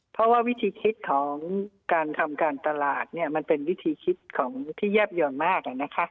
เพราะว่าวิธีคิดของการทำการตลาดมันเป็นวิธีคิดของที่แยบย่อนมาก